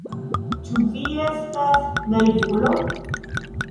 Ĉu mi estas naivulo?